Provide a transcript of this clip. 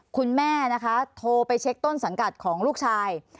คุณแม่นะคะโทรไปเช็คต้นสังกัดของลูกชาย